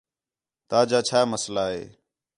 تا جا چھا مسئلہ ہے